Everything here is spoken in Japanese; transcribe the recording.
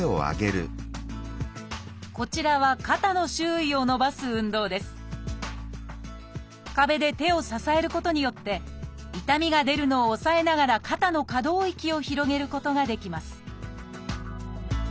こちらは壁で手を支えることによって痛みが出るのを抑えながら肩の可動域を広げることができます